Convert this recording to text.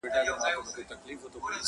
لار به څرنګه مهار سي د پېړیو د خونیانو،